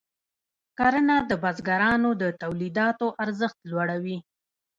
کرنه د بزګرانو د تولیداتو ارزښت لوړوي.